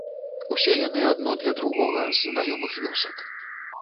Усе яны, адно для другога, з знаёмых вёсак.